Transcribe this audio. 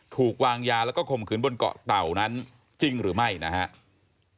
ถูกวางยาแล้วก็ข่มขืนบนเกาะเต่านั้นจริงหรือไม่นะครับ